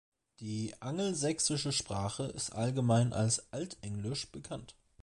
Die angelsächsische Sprache ist allgemein als Altenglisch bekannt.